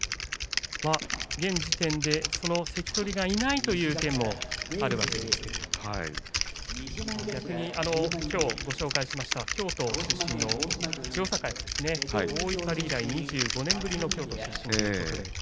現時点で関取がいないという県もあるわけですが逆にきょうご紹介した京都出身の千代栄大碇以来２５年ぶりの京都出身ということです。